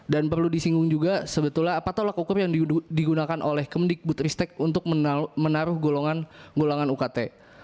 dan perlu disinggung juga sebetulnya apa tolak ukur yang digunakan oleh kemendikbud ristek untuk menaruh golongan ukt